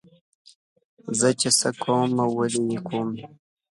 زه چې څه کوم ولې یې کوم.